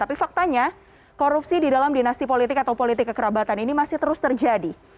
tapi faktanya korupsi di dalam dinasti politik atau politik kekerabatan ini masih terus terjadi